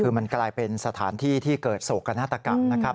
คือมันกลายเป็นสถานที่ที่เกิดโศกนาฏกรรมนะครับ